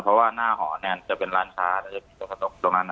เพราะว่าหน้าหอแนนครับจะเป็นร้านการ